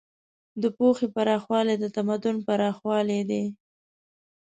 د پوهې پراخوالی د تمدن پراخوالی دی.